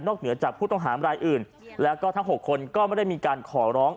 เหนือจากผู้ต้องหามรายอื่นแล้วก็ทั้ง๖คนก็ไม่ได้มีการขอร้อง